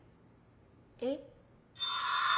えっ？